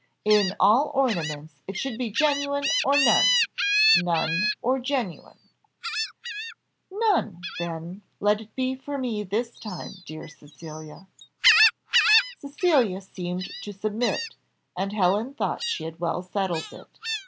In all ornaments, it should be genuine or none none or genuine." "None, then, let it be for me this time, dear Cecilia." Cecilia seemed to submit, and Helen thought she had well settled it.